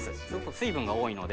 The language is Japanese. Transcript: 水分が多いので。